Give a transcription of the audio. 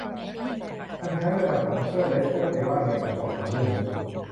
มันใช้เวลาของเซอร์ เลสเตอร์ไปบ้างในการสอบถามเรื่องนี้